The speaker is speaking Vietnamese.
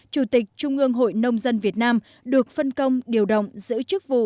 chủ tịch trung ương hội nông dân việt nam được phân công điều động giữ chức vụ